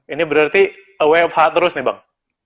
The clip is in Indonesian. ini berarti wfh terus nih bang